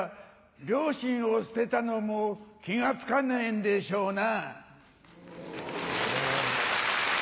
良心を捨てたのも気が付かねえんでしょうな。